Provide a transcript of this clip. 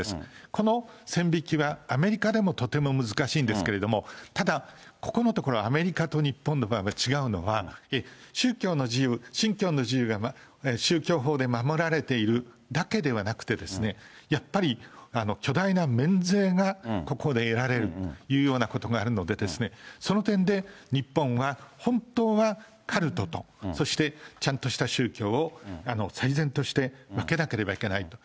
この線引きはアメリカでもとても難しいんですけれども、ただ、ここのところ、アメリカと日本の場合、違うのは、宗教の自由、信教の自由が宗教法で守られているだけではなくてですね、やっぱり巨大な免税がここで得られるというようなことがあるので、その点で、日本は本当はカルトと、そしてちゃんとした宗教を整然として分けなければいけないと。